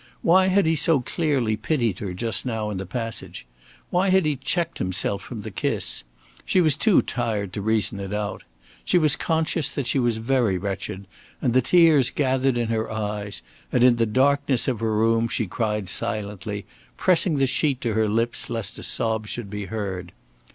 Why had he so clearly pitied her just now in the passage? Why had he checked himself from the kiss? She was too tired to reason it out. She was conscious that she was very wretched, and the tears gathered in her eyes; and in the darkness of her room she cried silently, pressing the sheet to her lips lest a sob should be heard.